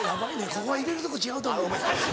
ここは入れるとこ違うと思うな。